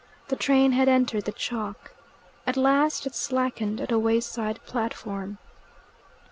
The train had entered the chalk. At last it slackened at a wayside platform.